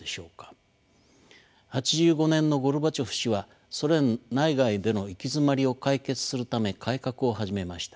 ８５年のゴルバチョフ氏はソ連内外での行き詰まりを解決するため改革を始めました。